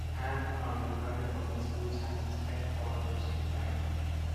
Anne Arundel County Public Schools has its headquarters in Parole.